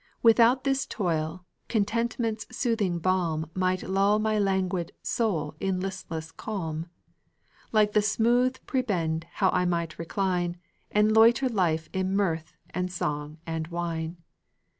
Without this toil, contentment's soothing balm Might lull my languid soul in listless calm: Like the smooth prebend how might I recline, And loiter life in mirth and song and wine!